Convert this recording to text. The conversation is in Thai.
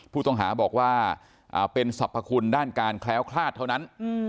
ผู้ต้องหาบอกว่าเป็นสรรพคุณด้านการแคล้วคลาดเท่านั้น